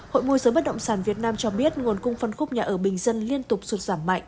hội môi giới bất động sản việt nam cho biết nguồn cung phân khúc nhà ở bình dân liên tục sụt giảm mạnh